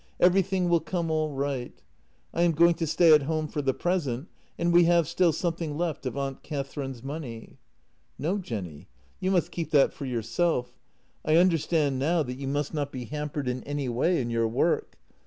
Everything will come all right. I am going to stay at home for the present, and we have still something left of Aunt Katherine's money." " No, Jenny, you must keep that for yourself. I understand now that you must not be hampered in any way in your work.